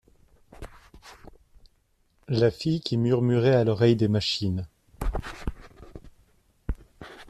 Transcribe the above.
la fille qui murmurait à l’oreille des machines.